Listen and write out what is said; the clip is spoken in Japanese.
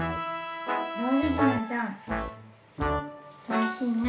おいしいね。